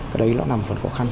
cái đấy nó nằm phần khó khăn